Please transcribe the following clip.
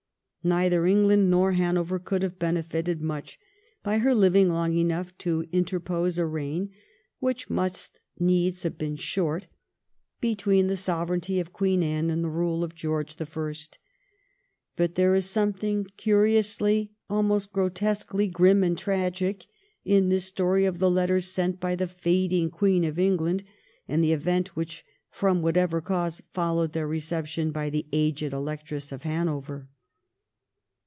Neither England nor Hanover could have benefited much by her living long enough to interpose a reign, which must needs have been short, between the 1714 THE DEATH OF THE ELECTEESS. 277 sovereignty of Queen Anne and the rule of George the Eirst. But there is something curiously, almost grotesquely, grim and tragic in this story of the letters sent by the fading Queen of England and the event which, from whatever cause, followed their reception by the aged Electress of Hanover.